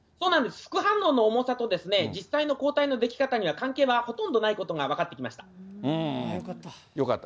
副反応の重さと、実際の抗体の出来方には関係がほとんどないことが分かってきましよかった。